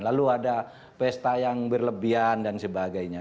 lalu ada pesta yang berlebihan dan sebagainya